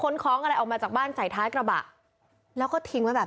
ของอะไรออกมาจากบ้านใส่ท้ายกระบะแล้วก็ทิ้งไว้แบบ